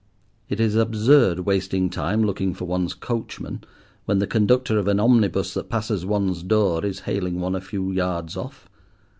It is absurd wasting time looking for one's coachman, when the conductor of an omnibus that passes one's door is hailing one a few yards off.